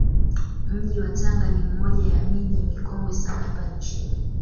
Mji wa Tanga ni moja ya miji mikongwe sana hapa nchini